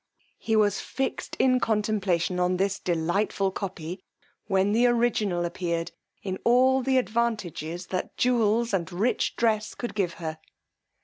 He was fixed in contemplation on this delightful copy, when the original appeared in all the advantages that jewels and rich dress could give her.